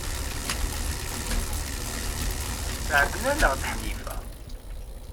Tɛeyyen-aneɣ-d Ḥnifa.